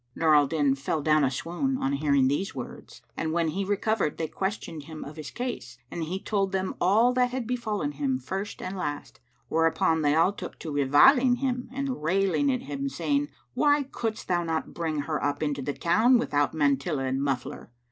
Nur al Din fell down a swoon, on hearing these words; and when he recovered they questioned him of his case and he told them all that had befallen him first and last; whereupon they all took to reviling him and railing at him, saying, "Why couldst thou not bring her up into the town without mantilla and muffler?"